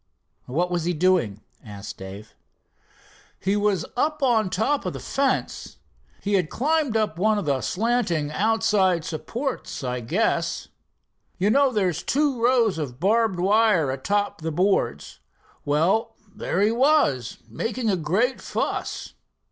"What was he doing?" asked Dave. "He was up on top of the fence. He had climbed up one of the slanting outside supports, I guess. You know there's two rows of barbed wire a top of the boards. Well, there he was, making a great fuss."